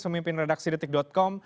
pemimpin redaksi detik com